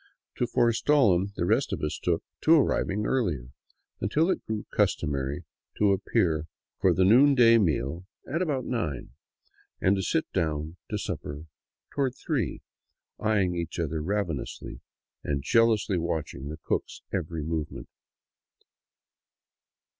To forestall him, the rest of us took to arriving earlier, until it grew customary to appear for the noonday 245 VAGABONDING DOWN THE ANDES meal at about nine, and to sit down to supper toward three, eyeing each other ravenously, and jealously watching the cook's every movement.